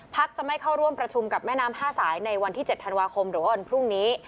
จะไม่เข้าร่วมประชุมกับแม่น้ำ๕สายในวันที่๗ธันวาคมหรือว่าวันพรุ่งนี้